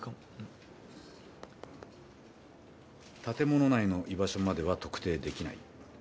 建物内の居場所までは特定できない。